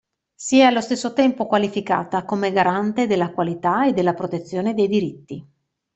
Si è allo stesso tempo qualificata come garante della qualità e della protezione dei diritti.